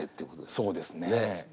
そうですね。